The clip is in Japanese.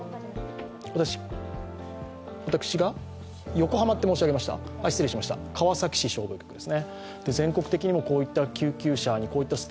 横浜と申し上げましたが、川崎市消防局です。